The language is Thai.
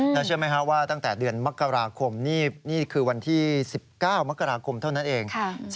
แล้วเชื่อไหมครับว่าตั้งแต่เดือนมกราคมนี่คือวันที่๑๙มกราคมเท่านั้นเอง